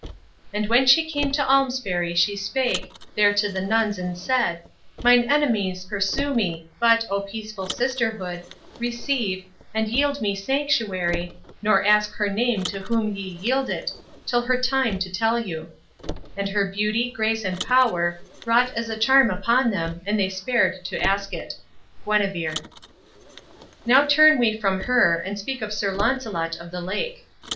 "And when she came to Almesbury she spake There to the nuns, and said, 'Mine enemies Pursue me, but, O peaceful Sisterhood, Receive, and yield me sanctuary, nor ask Her name to whom ye yield it, till her time To tell you;' and her beauty, grace and power Wrought as a charm upon them, and they spared To ask it." Guinevere. Now turn we from her, and speak of Sir Launcelot of the Lake.